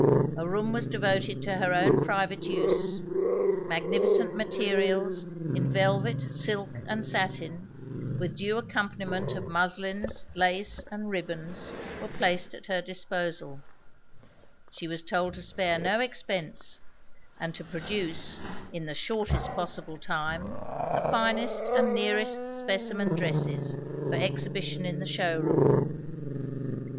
A room was devoted to her own private use; magnificent materials in velvet, silk, and satin, with due accompaniment of muslins, laces, and ribbons were placed at her disposal; she was told to spare no expense, and to produce, in the shortest possible time, the finest and nearest specimen dresses for exhibition in the show room.